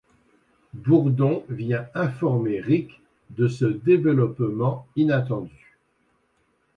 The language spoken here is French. Bourdon vient informer Ric de ce développement inattendu.